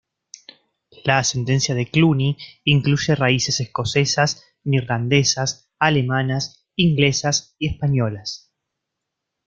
La ascendencia de Clooney incluye raíces escocesas, neerlandesas, alemanas, inglesas y españolas.